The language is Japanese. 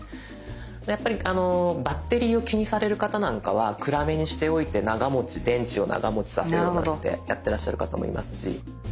やっぱりバッテリーを気にされる方なんかは暗めにしておいて長持ち電池を長持ちさせようってやってらっしゃる方もいますし。